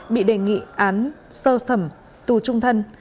bị đề nghị án sơ sầm tù trung thân